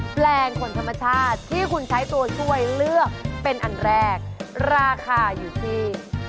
แปลงผลธรรมชาติที่คุณใช้ตัวช่วยเลือกเป็นอันแรกราคาอยู่ที่